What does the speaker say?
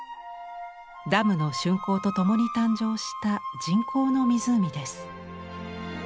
ダムの竣工とともに誕生した人工の湖です。